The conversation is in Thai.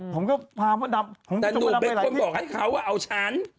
ผมก็พามดดำปิดลงไปอยู่ในไหนพี่อืมแต่หนุ่มเป็นคนบอกให้เขาว่าเอาฉัน